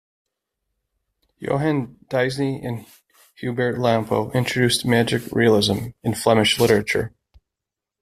Johan Daisne and Hubert Lampo introduced magic realism in Flemish literature.